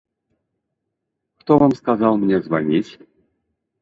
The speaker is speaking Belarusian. Хто вам сказаў мне званіць?